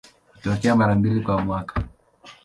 Hutokea mara mbili kwa mwaka.